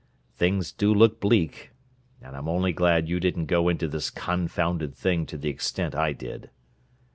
Things do look bleak, and I'm only glad you didn't go into this confounded thing to the extent I did."